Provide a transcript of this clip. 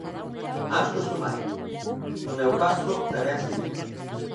Anxos Sumai: No meu caso é ben simple.